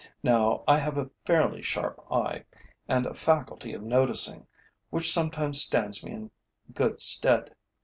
Now I have a fairly sharp eye, and a faculty of noticing, which sometimes stands me in good stead.